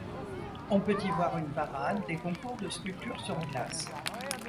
On peut y voir une parade, des concours de sculptures sur glace.